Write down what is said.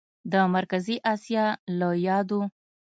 د مرکزي اسیا له یادو